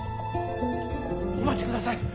お待ちください！